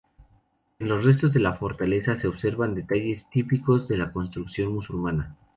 En los restos de la fortaleza se observan detalles típicos de la construcción musulmana.